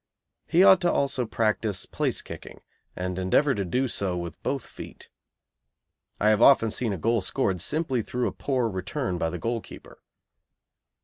He ought to also practise place kicking, and endeavour to do so with both feet. I have often seen a goal scored simply through a poor return by the goalkeeper.